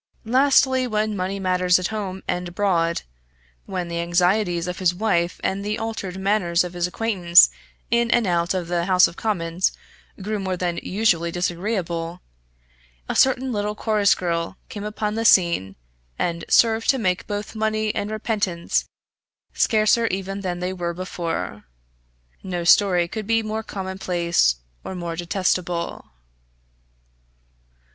Lastly, when money matters at home and abroad, when the anxieties of his wife and the altered manners of his acquaintance in and out of the House of Commons grew more than usually disagreeable, a certain little chorus girl came upon the scene and served to make both money and repentance scarcer even than they were before. No story could be more commonplace or more detestable.